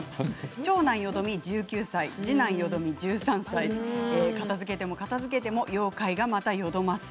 長男よどみ１９歳次男よどみ１３歳片づけも片づけても妖怪がまたよどます。